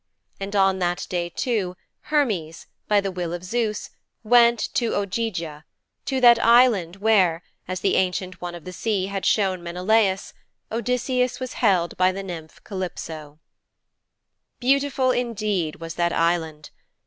And on that day, too, Hermes, by the will of Zeus, went to Ogygia to that Island where, as the Ancient One of the Sea had shown Menelaus, Odysseus was held by the nymph Calypso. Beautiful indeed was that Island.